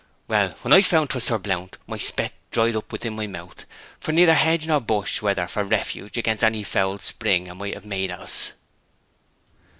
'Well, when I found 'twas Sir Blount my spet dried up within my mouth; for neither hedge nor bush were there for refuge against any foul spring 'a might have made at us.'